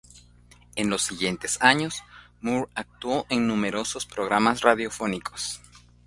En los siguientes años, Moore actuó en numerosos programas radiofónicos.